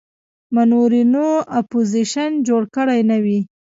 منورینو اپوزیشن جوړ کړی نه وي.